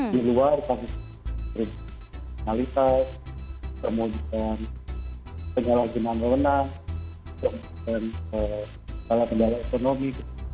di luar kami melihat kemudian penyelenggaraan menang menang kemudian ke dalam kendaraan ekonomi